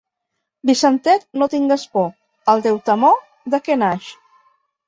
Vicentet, no tingues por; el teu temor, de què naix?